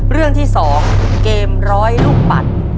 เรื่องที่๒เกมร้อยลูกปัด